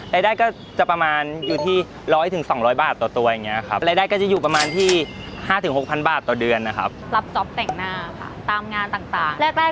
รายได้ก็จะประมาณอยู่ที่ร้อยถึงสองร้อยบาทตัวตัวอย่างเงี้ยครับรายได้ก็จะอยู่ประมาณที่ห้าถึงหกพันบาทต่อเดือนนะครับ